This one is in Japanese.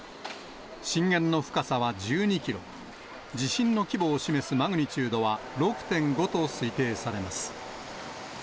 震源の深さは１２キロ、地震の規模を示すマグニチュードは６．５と推定されます。